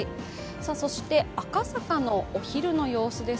そして赤坂のお昼の様子です。